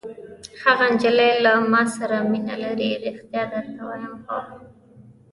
هغه نجلۍ له ما سره مینه لري! ریښتیا درته وایم. هو.